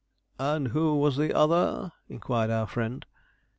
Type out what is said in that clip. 'And who was the other?' inquired our friend.